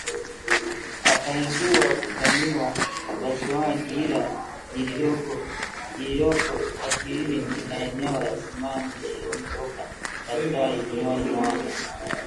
Akaingizwa kufanyiwa upasuaji ila lililoko akilini ni maneno ya simanzi yaliyomtoka daktari kinywani mwake